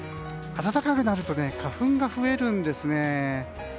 暖かくなると花粉が増えるんですね。